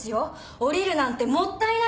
降りるなんてもったいないですよ。